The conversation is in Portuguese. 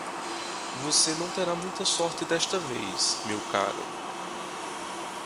Você não terá muita sorte desta vez, meu caro.